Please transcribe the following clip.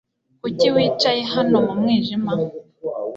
Kuki wicaye hano mu mwijima